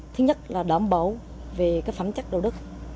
thứ nhất là đảm bảo về cái phẩm chất đồ đức